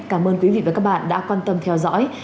cảm ơn quý vị và các bạn đã quan tâm theo dõi